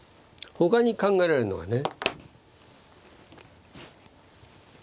ほかに考えられるのはですね